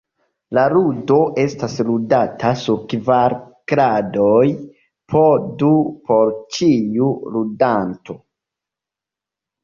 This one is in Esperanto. La ludo estas ludata sur kvar kradoj, po du por ĉiu ludanto.